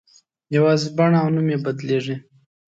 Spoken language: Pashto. یوازې بڼه او نوم یې بدلېږي.